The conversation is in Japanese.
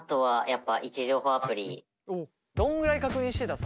どんぐらい確認してた？